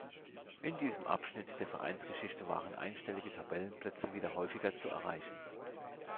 In diesem Abschnitt der Vereinsgeschichte waren einstellige Tabellenplätze wieder häufiger zu erreichen.